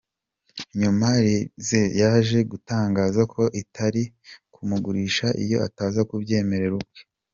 Nyuma Leipzig yaje gutangaza ko itari kumugurisha iyo ataza kubyemera ubwe.